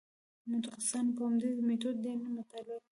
متخصصانو په همدې میتود دین مطالعه کړ.